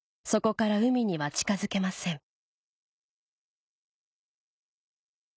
そこから海には近づけません